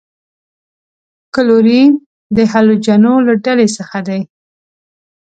کلورین د هلوجنو له ډلې څخه دی.